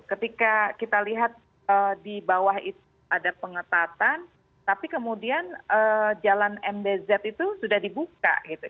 ketika kita lihat di bawah itu ada pengetatan tapi kemudian jalan mdz itu sudah dibuka gitu